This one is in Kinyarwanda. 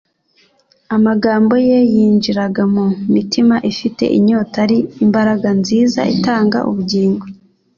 Amagambo ye yinjiraga mu mitima ifite inyota ari imbaraga nziza itanga ubugingo.